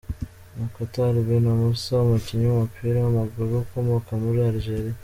Mokhtar Benmoussa, umukinnyi w’umupira w’amaguru ukomoka muri Algeria.